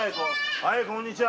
はいこんにちは。